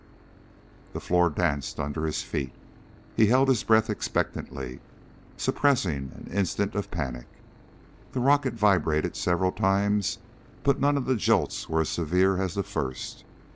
The floor danced under his feet. He held his breath expectantly, suppressing an instant of panic. The rocket vibrated several times but none of the jolts was as severe as the first.